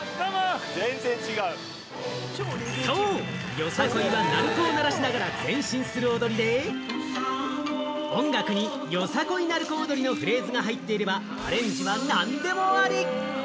よさこいは鳴子を鳴らしながら前進する踊りで、音楽に「よさこい鳴子踊り」のフレーズが入っていれば、アレンジは何でもあり！